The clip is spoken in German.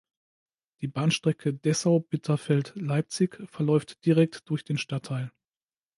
Die Bahnstrecke Dessau–Bitterfeld–Leipzig verläuft direkt durch den Stadtteil.